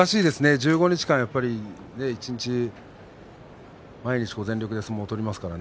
１５日間一日、毎日全力で相撲を取りますからね。